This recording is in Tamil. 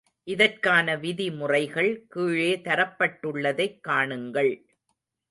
இதற்கான விதிமுறைகள் கீழே தரப்பட்டுள்ளதைக் காணுங்கள்.